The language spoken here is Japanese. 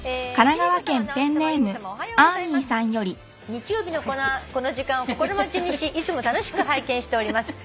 「日曜日のこの時間を心待ちにしいつも楽しく拝見しております」